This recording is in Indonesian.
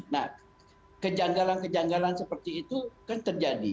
nah kejanggalan kejanggalan seperti itu kan terjadi